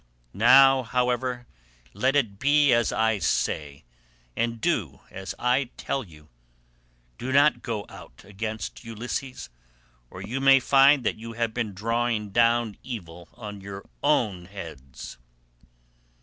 Now, however, let it be as I say, and do as I tell you. Do not go out against Ulysses, or you may find that you have been drawing down evil on your own heads."